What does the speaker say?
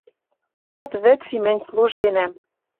Луатвӹц и мӹнь служенӓм